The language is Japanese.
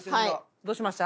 どうしました？